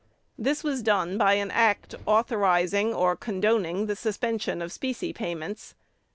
This was done by an act authorizing or condoning the suspension of specie payments.